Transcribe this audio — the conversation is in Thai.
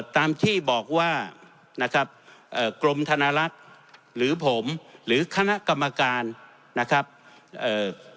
ตามที่บอกว่านะครับเอ่อกรมธนรัฐหรือผมหรือคณะกรรมการนะครับเอ่อ